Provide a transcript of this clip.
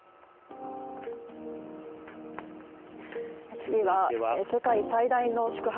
次は世界最大の宿泊